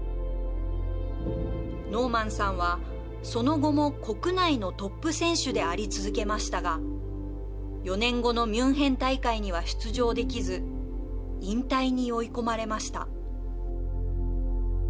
ノーマンさんはその後も国内のトップ選手であり続けましたが４年後のミュンヘン大会には出場できず引退に追い込まれました。